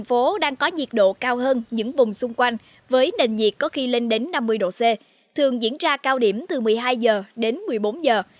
thành phố đang có nhiệt độ cao hơn những vùng xung quanh với nền nhiệt có khi lên đến năm mươi độ c thường diễn ra cao điểm từ một mươi hai giờ đến một mươi bốn giờ